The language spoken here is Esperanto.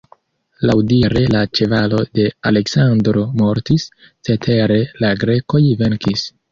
Laŭdire la ĉevalo de Aleksandro mortis, cetere la grekoj venkis.